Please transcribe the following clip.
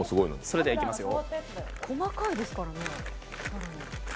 それではいきますよ。